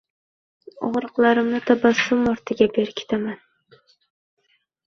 Og‘riqlarimni tabassum ortiga berkitaman.